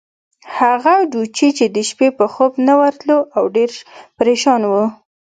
هغه ډوچي چې د شپې به خوب نه ورتلو، او ډېر پرېشان وو.